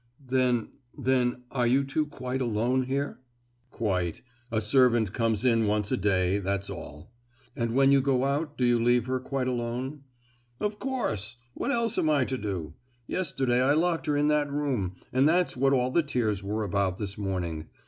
"Then—then—are you two quite alone here?" "Quite! a servant comes in once a day, that's all!" "And when you go out, do you leave her quite alone?" "Of course! What else am I to do? Yesterday I locked her in that room, and that's what all the tears were about this morning.